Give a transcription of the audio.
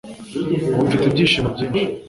ubu mfite ibyishimo byinshi